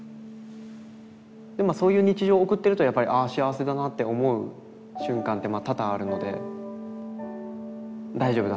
そういう日常を送ってるとやっぱりあ幸せだなって思う瞬間って多々あるので大丈夫だ。